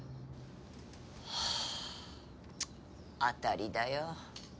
当たりだよ